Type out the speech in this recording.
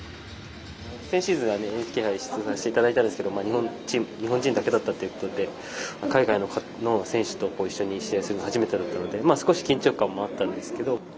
先シーズンはＮＨＫ杯に出場させていただいたんですが日本人だけだったということで海外の選手と一緒に試合するのが初めてだったので少し緊張感もあったんですけど。